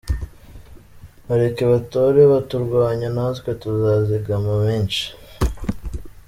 Bareke batore baturwanya natwe tuzazigama menshi.